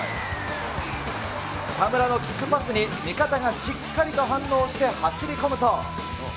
田村のキックパスに味方がしっかりと反応して、走り込むと。